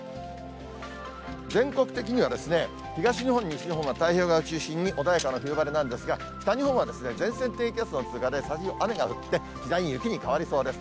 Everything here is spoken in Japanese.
全国的には、東日本、西日本は太平洋側を中心に穏やかな冬晴れなんですが、北日本は前線、低気圧の通過で、雨が降って、次第に雪に変わりそうです。